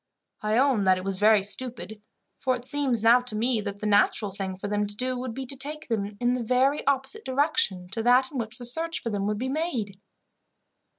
I own that it was very stupid, for it seems now to me that the natural thing for them to do, would be to take them in the very opposite direction to that in which the search for them would be made."